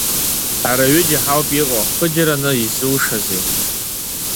Ҳара ҩыџьа ҳауп иҟоу, хыџьараны изушазеи?